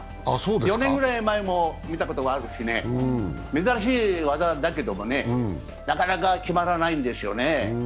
４年ぐらい前も見たことがあるしね、珍しい技だけどもなかなか決まらないんですよね。